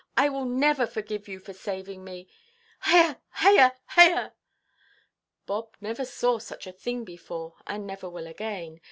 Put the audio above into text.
I will never forgive you for saving me. Hya, hya, hya!" Bob never saw such a thing before, and never will again.